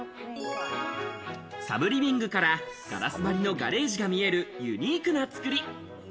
サブリビングからガラス張りのガレージが見えるユニークな作り。